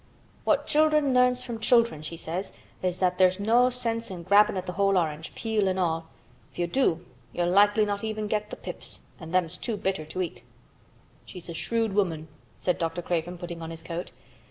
'What children learns from children,' she says, 'is that there's no sense in grabbin' at th' whole orange—peel an' all. If you do you'll likely not get even th' pips, an' them's too bitter to eat.'" "She's a shrewd woman," said Dr. Craven, putting on his coat.